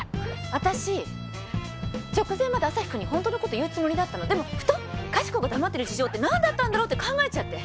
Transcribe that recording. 私直前までアサヒくんに本当の事言うつもりだったの。でもふとかしこが黙ってる事情ってなんだったんだろうって考えちゃって。